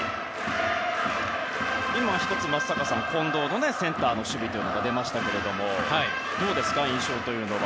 １つ松坂さん、近藤のセンターの守備が出ましたがどうですか、印象というのは。